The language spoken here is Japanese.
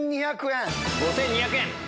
５２００円。